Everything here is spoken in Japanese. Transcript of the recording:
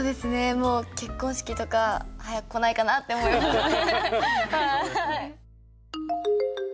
もう結婚式とか早く来ないかなって思いますね。